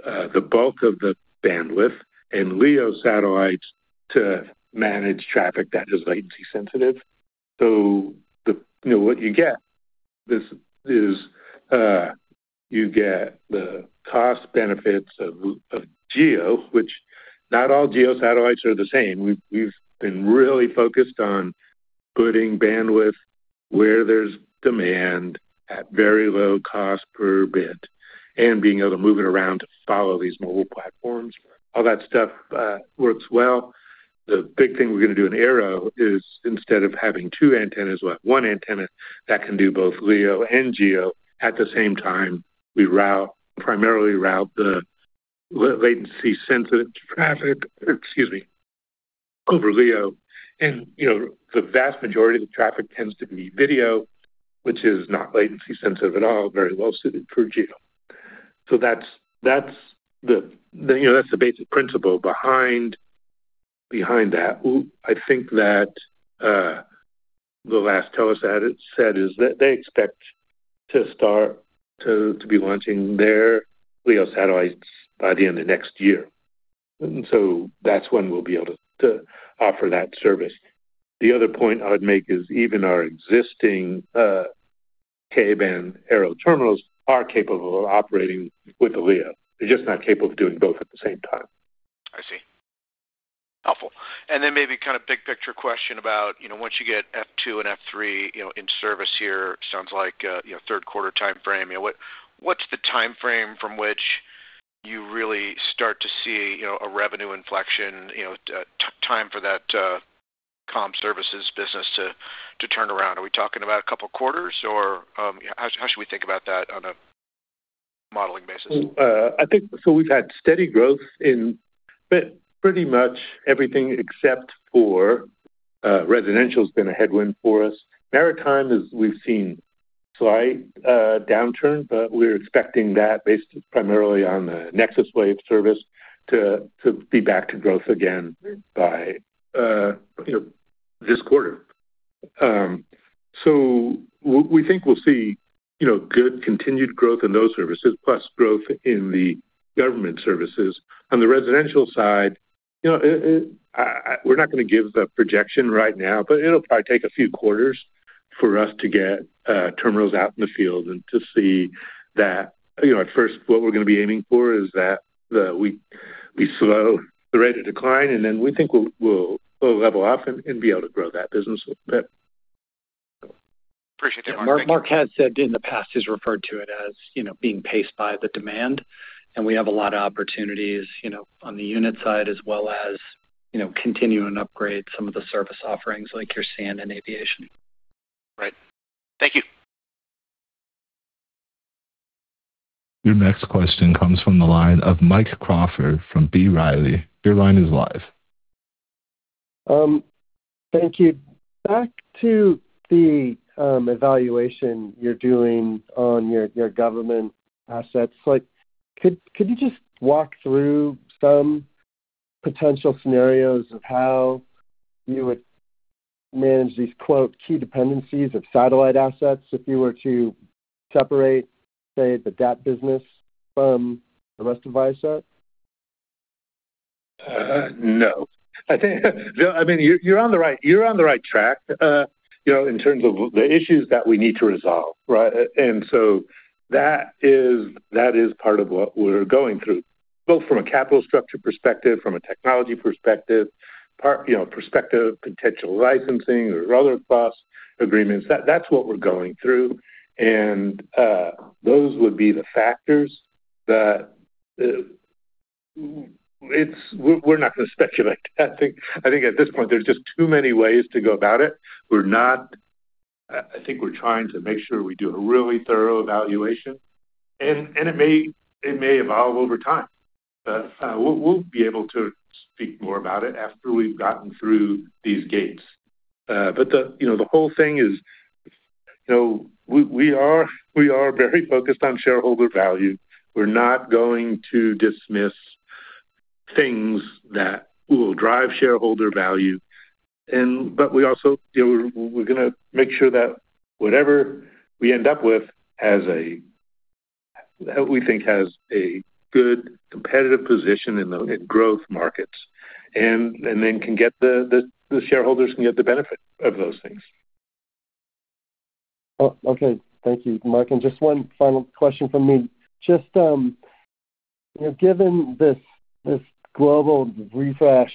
the bulk of the bandwidth and LEO satellites to manage traffic that is latency sensitive. So the, you know, what you get, this is, you get the cost benefits of GEO, which not all GEO satellites are the same. We've, we've been really focused on putting bandwidth where there's demand at very low cost per bit and being able to move it around to follow these mobile platforms. All that stuff works well. The big thing we're going to do in aero is, instead of having two antennas, we'll have one antenna that can do both LEO and GEO at the same time. We route, primarily route the latency-sensitive traffic, excuse me, over LEO. And, you know, the vast majority of the traffic tends to be video, which is not latency sensitive at all, very well suited for GEO. So that's, that's the, you know, that's the basic principle behind, behind that. I think that the last Telesat had said is that they expect to start to, to be launching their LEO satellites by the end of next year. And so that's when we'll be able to, to offer that service. The other point I would make is even our existing, Ka-band aerial terminals are capable of operating with the LEO. They're just not capable of doing both at the same time. I see. Helpful. And then maybe kind of big picture question about, you know, once you get F2 and F3, you know, in service here, sounds like, third quarter time frame. You know, what, what's the time frame from which you really start to see, you know, a revenue inflection, you know, time for that, comm services business to turn around? Are we talking about a couple of quarters, or, how should we think about that on a modeling basis? Well, I think so we've had steady growth in pretty much everything except for residential's been a headwind for us. Maritime is we've seen slight downturn, but we're expecting that based primarily on the NexusWave service to be back to growth again by, you know, this quarter. So we think we'll see, you know, good continued growth in those services, plus growth in the government services. On the residential side, you know, we're not going to give a projection right now, but it'll probably take a few quarters for us to get terminals out in the field and to see that. You know, at first, what we're going to be aiming for is that we slow the rate of decline, and then we think we'll level off and be able to grow that business a bit. Appreciate it. Mark, Mark had said in the past, he's referred to it as, you know, being paced by the demand, and we have a lot of opportunities, you know, on the unit side, as well as, you know, continue and upgrade some of the service offerings, like your land and aviation. Right. Thank you. Your next question comes from the line of Mike Crawford from B. Riley. Your line is live. Thank you. Back to the evaluation you're doing on your government assets, like, could you just walk through some potential scenarios of how you would manage these, quote, key dependencies of satellite assets if you were to separate, say, the DAT business from the rest of Viasat? No. I think, I mean, you're, you're on the right, you're on the right track, you know, in terms of the issues that we need to resolve, right? And so that is, that is part of what we're going through, both from a capital structure perspective, from a technology perspective, part, you know, perspective, potential licensing or other plus agreements. That's what we're going through, and, those would be the factors that, we're, we're not going to speculate. I think, I think at this point, there's just too many ways to go about it. We're not... I, I think we're trying to make sure we do a really thorough evaluation, and, and it may, it may evolve over time. But, we'll, we'll be able to speak more about it after we've gotten through these gates. But you know, the whole thing is, you know, we are very focused on shareholder value. We're not going to dismiss things that will drive shareholder value, and but we also, you know, we're gonna make sure that whatever we end up with has a, that we think has a good competitive position in growth markets, and then the shareholders can get the benefit of those things. Oh, okay. Thank you, Mark. And just one final question from me. Just, you know, given this global refresh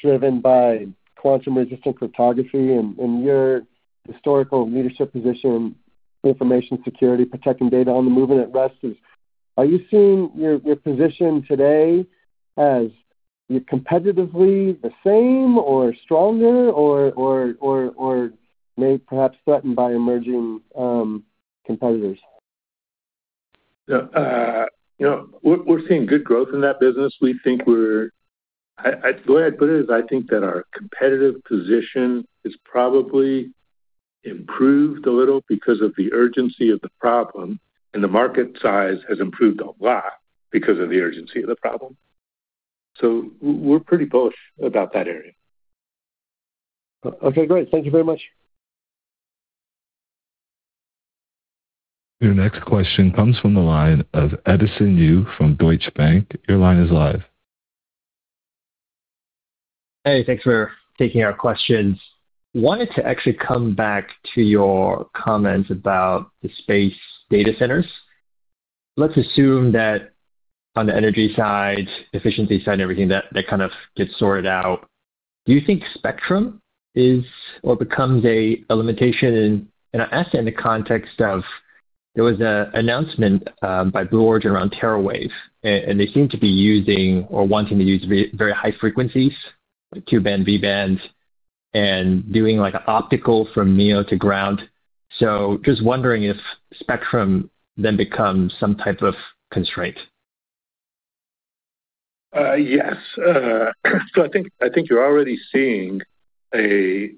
driven by quantum resistant cryptography and your historical leadership position in information security, protecting data in motion and at rest, are you seeing your position today as you're competitively the same or stronger or may perhaps threatened by emerging competitors? You know, we're seeing good growth in that business. We think the way I'd put it is, I think that our competitive position is probably improved a little because of the urgency of the problem, and the market size has improved a lot because of the urgency of the problem. So we're pretty bullish about that area. Okay, great. Thank you very much. Your next question comes from the line of Edison Yu from Deutsche Bank. Your line is live. Hey, thanks for taking our questions. Wanted to actually come back to your comments about the space data centers. Let's assume that on the energy side, efficiency side, and everything, that that kind of gets sorted out. Do you think spectrum is or becomes a limitation? And I ask that in the context of, there was an announcement by Blue Origin around TeraWave, and they seem to be using or wanting to use very high frequencies, Q-band, V-bands, and doing, like, optical from LEO to ground. So just wondering if spectrum then becomes some type of constraint. Yes. So I think, I think you're already seeing a, you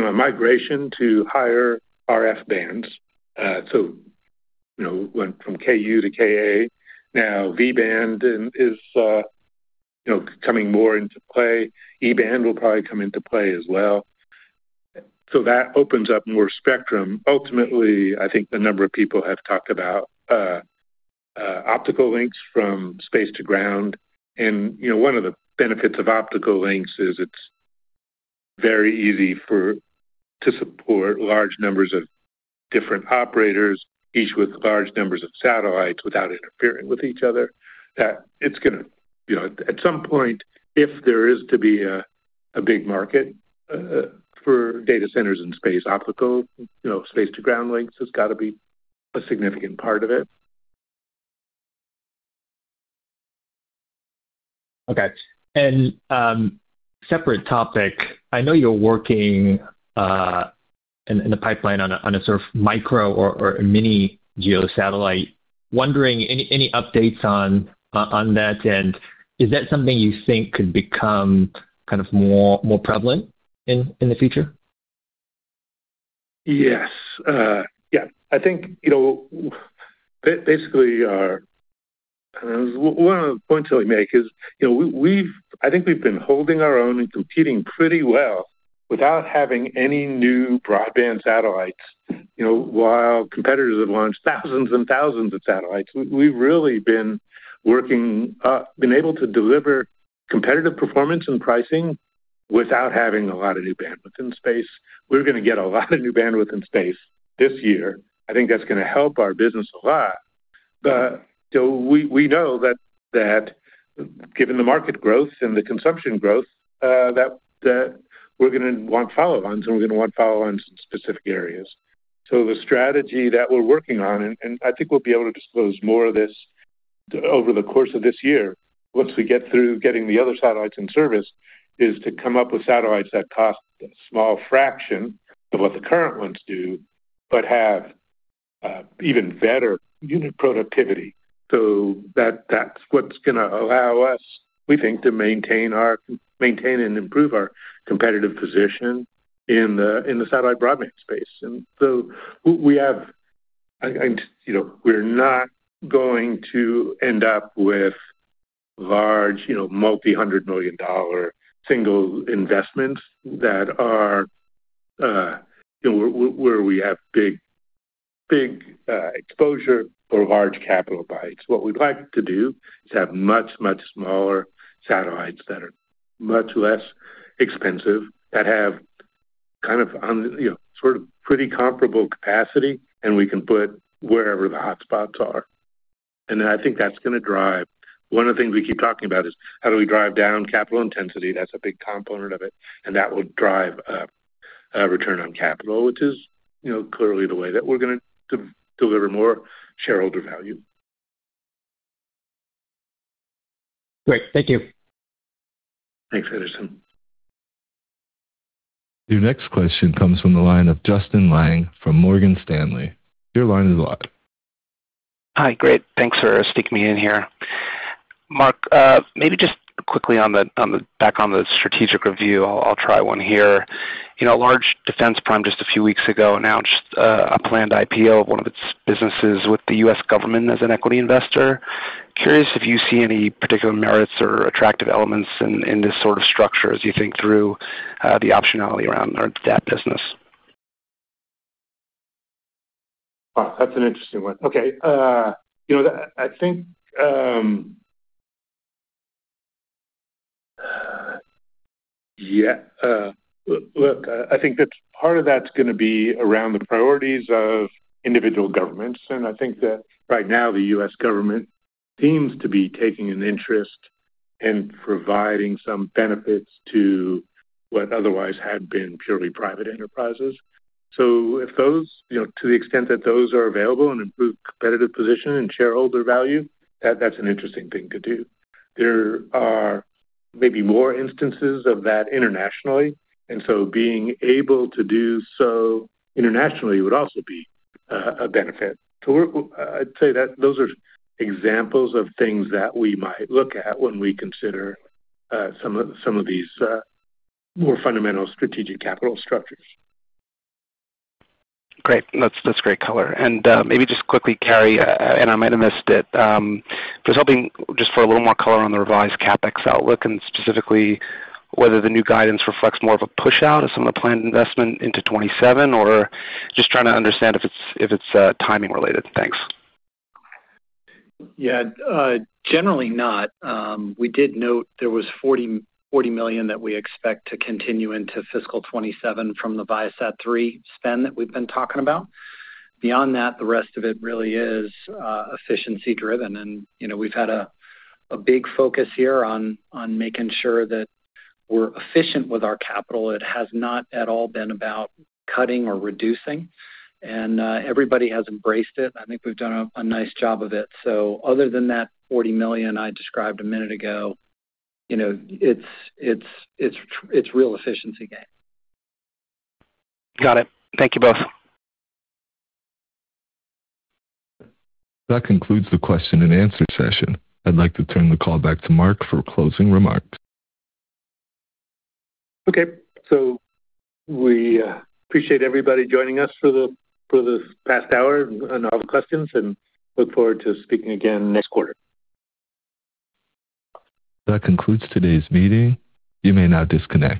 know, a migration to higher RF bands. You know, went from Ku to Ka. Now V-band is, you know, coming more into play. E-band will probably come into play as well. So that opens up more spectrum. Ultimately, I think a number of people have talked about optical links from space to ground, and, you know, one of the benefits of optical links is it's very easy for to support large numbers of different operators, each with large numbers of satellites, without interfering with each other. That it's gonna, you know, at some point, if there is to be a big market for data centers in space, optical, you know, space to ground links has got to be a significant part of it. Okay. And, separate topic. I know you're working in the pipeline on a sort of micro or a mini geosatellite. Wondering, any updates on that? And is that something you think could become kind of more prevalent in the future? Yes. Yeah, I think, you know, basically, one of the points I'll make is, you know, we, we've—I think we've been holding our own and competing pretty well without having any new broadband satellites. You know, while competitors have launched thousands and thousands of satellites, we've really been working, been able to deliver competitive performance and pricing without having a lot of new bandwidth in space. We're gonna get a lot of new bandwidth in space this year. I think that's gonna help our business a lot. But so we, we know that, that given the market growth and the consumption growth, that, that we're gonna want follow-ons, and we're gonna want follow-ons in specific areas. So the strategy that we're working on, and I think we'll be able to disclose more of this over the course of this year, once we get through getting the other satellites in service, is to come up with satellites that cost a small fraction of what the current ones do, but have even better unit productivity. So that, that's what's gonna allow us, we think, to maintain and improve our competitive position in the satellite broadband space. And so we have, and, you know, we're not going to end up with large, you know, multi-hundred million dollar single investments that are, you know, where we have big exposure or large capital bites. What we'd like to do is have much, much smaller satellites that are much less expensive, that have kind of on, you know, sort of pretty comparable capacity, and we can put wherever the hotspots are. And I think that's gonna drive, one of the things we keep talking about is how do we drive down capital intensity? That's a big component of it, and that will drive a, a return on capital, which is, you know, clearly the way that we're gonna deliver more shareholder value. Great. Thank you. Thanks, Edison. Your next question comes from the line of Justin Lang from Morgan Stanley. Your line is live. Hi. Great, thanks for sticking me in here. Mark, maybe just quickly back on the strategic review, I'll try one here. You know, large defense prime just a few weeks ago announced a planned IPO of one of its businesses with the U.S. government as an equity investor. Curious if you see any particular merits or attractive elements in this sort of structure as you think through the optionality around that business? Wow, that's an interesting one. Okay. You know, I think that part of that's gonna be around the priorities of individual governments, and I think that right now, the U.S. government seems to be taking an interest in providing some benefits to what otherwise had been purely private enterprises. So if those, you know, to the extent that those are available and improve competitive position and shareholder value, that's an interesting thing to do. There are maybe more instances of that internationally, and so being able to do so internationally would also be a benefit. So I'd say that those are examples of things that we might look at when we consider some of these more fundamental strategic capital structures. Great. That's, that's great color. And, maybe just quickly, Gary, and I might have missed it. I was hoping just for a little more color on the revised CapEx outlook and specifically whether the new guidance reflects more of a push out of some of the planned investment into 2027, or just trying to understand if it's, if it's, timing related. Thanks. Yeah. Generally not. We did note there was $40 million that we expect to continue into fiscal 2027 from the ViaSat-3 spend that we've been talking about. Beyond that, the rest of it really is efficiency driven. And, you know, we've had a big focus here on making sure that we're efficient with our capital. It has not at all been about cutting or reducing, and everybody has embraced it. I think we've done a nice job of it. So other than that $40 million I described a minute ago, you know, it's real efficiency gain. Got it. Thank you both. That concludes the question and answer session. I'd like to turn the call back to Mark for closing remarks. Okay. So we appreciate everybody joining us for the past hour and all the questions, and look forward to speaking again next quarter. That concludes today's meeting. You may now disconnect.